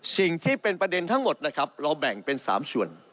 สิ่งที่เป็นประเด็นทั้งหมดนะครับเราแบ่งเป็น๓ส่วน